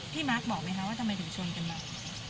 ที่มาร์คบอกไหมว่าทำไมถึงชนกันบ้าง